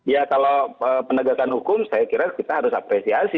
ya kalau penegakan hukum saya kira kita harus apresiasi